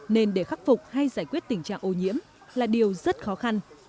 nên để khắc phục hay giải quyết tình trạng ô nhiễm là điều rất khó khăn